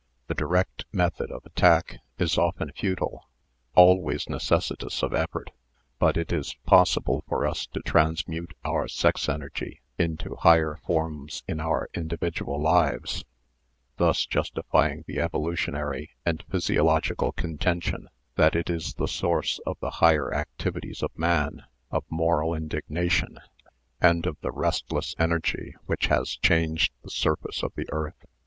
The direct method of attack is often futile, always neces sitous of effort, but it is possible for us to transmute our sex energy into higher forms in our individual lives, thus justifying the evolutionary and physio logical contention that it is the source of the higher activities of man, of moral indignation, and of the ' restless energy ' which has changed the surface of the earth."